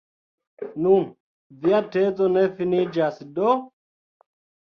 Nu, via tezo ne finiĝas do?